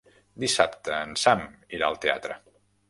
Dissabte en Sam irà al teatre.